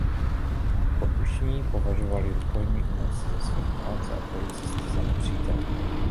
Po propuštění považovali rukojmí únosce za své ochránce a policisty za nepřítele.